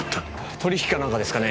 取り引きかなんかですかね？